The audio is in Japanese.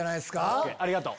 ＯＫありがとう。